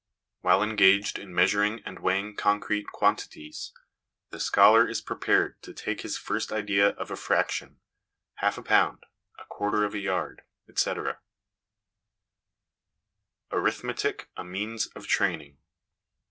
While engaged in measur ing and weighing concrete quantities, the scholar is prepared to take in his first idea of a ' fraction,' half a pound, a quarter of a yard, etc. Arithmetic a Means of Training.